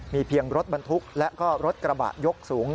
มีเพียงรถบรรทุกและก็รถกระบะยกสูง